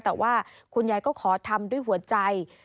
แต่ว่าคุณยายก็ขอทำด้วยหัวใจ